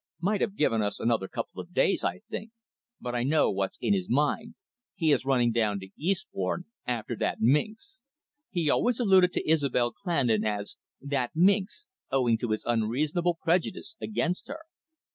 "Might have given us another couple of days, I think. But I know what's in his mind. He is running down to Eastbourne after that minx." He always alluded to Isobel Clandon as "that minx," owing to his unreasonable prejudice against her.